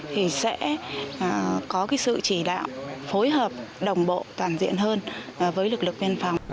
thì sẽ có cái sự chỉ đạo phối hợp đồng bộ toàn diện hơn với lực lượng biên phòng